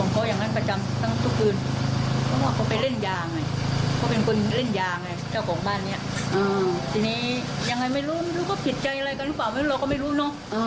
คุณบรูซชวน๙